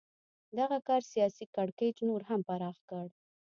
دغه کار سیاسي کړکېچ نور هم پراخ کړ.